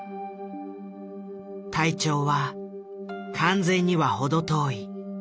体調は完全には程遠い。